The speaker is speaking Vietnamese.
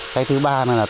cái thứ ba là tạo